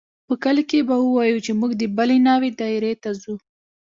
په کلي کښې به ووايو چې موږ د بلې ناوې دايرې ته ځو.